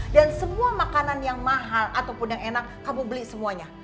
dan semua makanan yang mahal ataupun yang enak kamu beli semuanya